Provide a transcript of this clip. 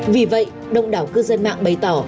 vì vậy đông đảo cư dân mạng bày tỏ